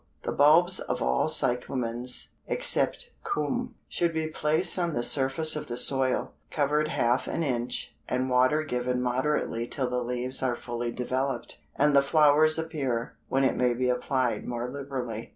The bulbs of all Cyclamens, except Coum, should be placed on the surface of the soil, covered half an inch, and water given moderately till the leaves are fully developed, and the flowers appear, when it may be applied more liberally.